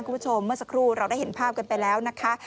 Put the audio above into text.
เมื่อสักครู่เราได้เห็นภาพกันไปแล้วนะคะ